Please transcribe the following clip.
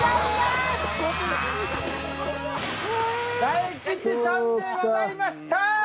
大吉さんでございました！